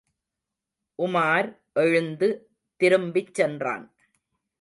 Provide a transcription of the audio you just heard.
உமார் எழுந்து, திரும்பிச் சென்றான்.